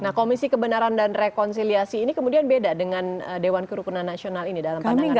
nah komisi kebenaran dan rekonsiliasi ini kemudian beda dengan dewan kerukunan nasional ini dalam pandangan anda